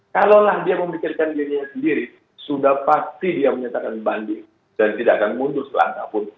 kalaulah dia memikirkan dirinya sendiri sudah pasti dia menyatakan banding dan tidak akan mundur selangkah pun